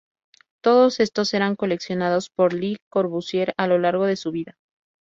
Todos estos eran coleccionados por Le Corbusier a lo largo de su vida.